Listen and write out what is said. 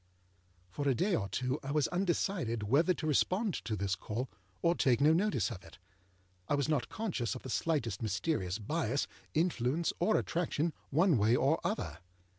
For a day or two I was undecided whether to respond to this call, or take no notice of it. I was not conscious of the slightest mysterious bias, influence, or attraction, one way or other.